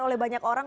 oleh banyak orang